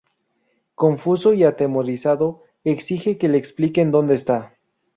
Confuso y atemorizado, exige que le expliquen dónde está.